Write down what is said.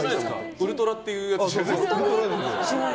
ウルトラっていうやつ。